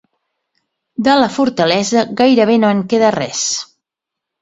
De la fortalesa gairebé no en queda res.